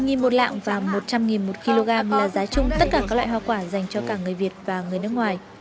một mươi nghìn một lạng và một trăm linh nghìn một kg là giá chung tất cả các loại hoa quả dành cho cả người việt và người nước ngoài